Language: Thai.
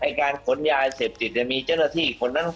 ไอร์การขนยายเสพติดจะมีเจษนาทิคนนั้น